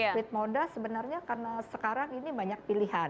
squid moda sebenarnya karena sekarang ini banyak pilihan